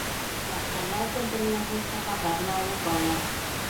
له الله ج څخه بدله وغواړه.